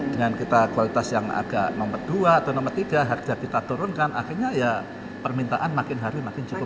dengan kita kualitas yang agak nomor dua atau nomor tiga harga kita turunkan akhirnya ya permintaan makin hari makin cukup